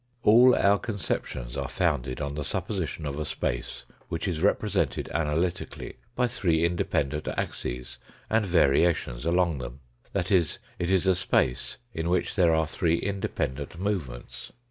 All our conceptions are founded on the sup position of a space which is represented analytically by three independent axes and variations along them that is, it is a space in which there are three independent movements.